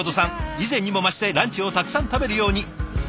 以前にも増してランチをたくさん食べるように。